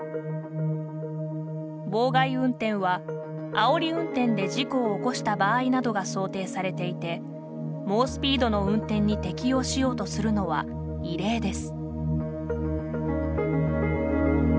妨害運転はあおり運転で事故を起こした場合などが想定されていて猛スピードの運転に適用しようとするのは異例です。